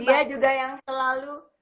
dia juga yang selalu